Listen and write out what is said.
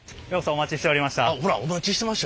お待ちしておりました。